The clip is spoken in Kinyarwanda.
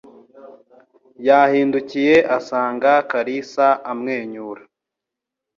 Yahindukiye asanga Kalisa amwenyura.